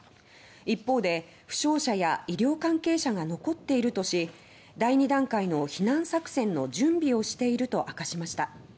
一方で、負傷者や医療関係者が残っているとし第二段階の避難作戦の準備をしていると明かしました。